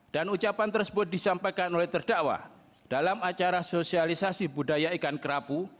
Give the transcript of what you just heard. dan ucapan tersebut disampaikan oleh terdakwa dalam acara sosialisasi budaya ikan kerapu